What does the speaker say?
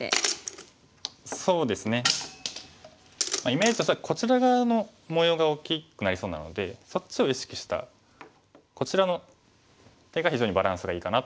イメージとしてはこちら側の模様が大きくなりそうなのでそっちを意識したこちらの手が非常にバランスがいいかなと思います。